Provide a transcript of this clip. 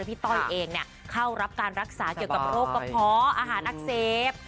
ต้อยเองเข้ารับการรักษาเกี่ยวกับโรคกระเพาะอาหารอักเสบ